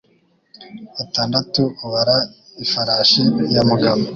Batandatu ubara ifarashi ya Mugabo.